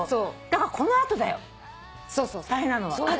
だからこの後だよ大変なのは。